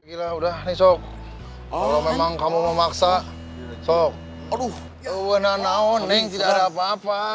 gila udah nih sok oh memang kamu memaksa sok aduh benar benar oneng tidak ada apa apa